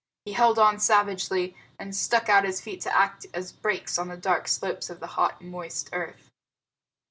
He held on savagely, and stuck out his feet to act as brakes on the dark slope of the hot, moist earth.